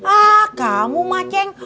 ah kamu mak ceng